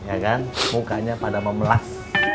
ya kan mukanya pada memelas